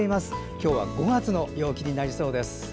今日は５月の陽気になりそうです。